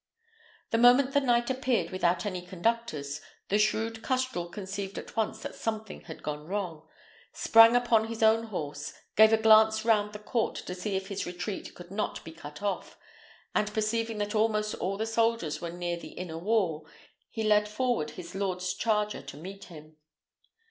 The moment the knight appeared without any conductors, the shrewd custrel conceived at once that something had gone wrong, sprang upon his own horse, gave a glance round the court to see that his retreat could not be cut off, and perceiving that almost all the soldiers were near the inner wall, he led forward his lord's charger to meet him.